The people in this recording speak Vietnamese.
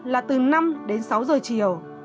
là từ năm đến sáu giờ chiều